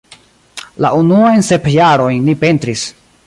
La unuajn sep jarojn li pentris.